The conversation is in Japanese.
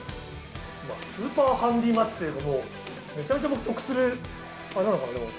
うわ、スーパーハンディマッチというか、めちゃめちゃ、僕得する、あれなのかな。